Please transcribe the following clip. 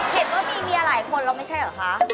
เห็นว่ามีเมียหลายคนแล้วไม่ใช่เหรอคะ